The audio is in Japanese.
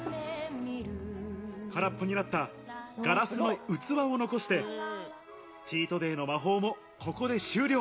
空っぽになったガラスの器を残して、チートデイの魔法もここで終了。